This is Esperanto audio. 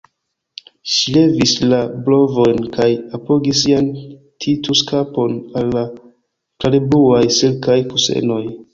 Ŝi levis la brovojn kaj apogis sian Titus-kapon al la klarebluaj silkaj kusenoj.